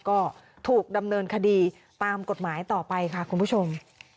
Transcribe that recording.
ก็ถูกดำเนินคดีตามกฎหมายต่อไปค่ะคุณผู้ชม